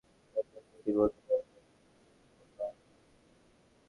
তিনি একে বলেছেন মৃত রেশমগুটির মতো, মনোরম কিন্তু পুতুলের মতো আড়ষ্ট।